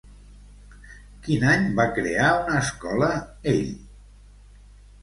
Quin any va crear una escola, ell?